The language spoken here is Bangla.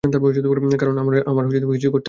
কারন আমার কিছুই করতে হয় না।